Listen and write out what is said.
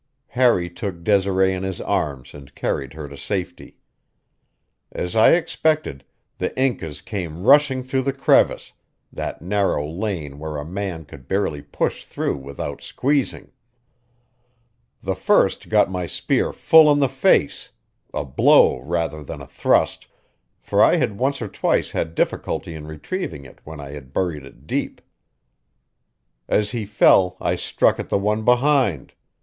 Harry took Desiree in his arms and carried her to safety. As I expected, the Incas came rushing through the crevice that narrow lane where a man could barely push through without squeezing. The first got my spear full in the face a blow rather than a thrust, for I had once or twice had difficulty in retrieving it when I had buried it deep. As he fell I struck at the one behind.